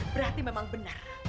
berarti memang benar